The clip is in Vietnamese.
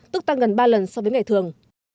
tức tăng gần ba lần so với ngày thường